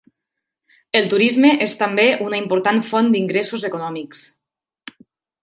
El turisme és també una important font d'ingressos econòmics.